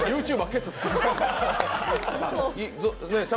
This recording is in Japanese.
ＹｏｕＴｕｂｅｒケツ。